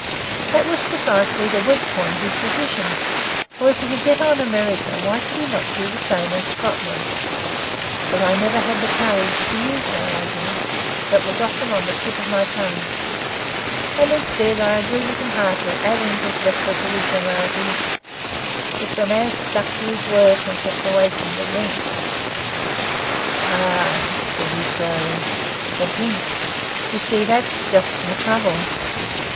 That was precisely the weak point of his position; for if he could get on in America, why could he not do the same in Scotland? But I never had the courage to use that argument, though it was often on the tip of my tongue, and instead I agreed with him heartily adding, with reckless originality, 'If the man stuck to his work, and kept away from drink.' 'Ah!' said he slowly, 'the drink! You see, that's just my trouble.